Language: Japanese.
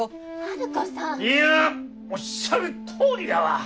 ハルコさん！いやおっしゃるとおりやわ。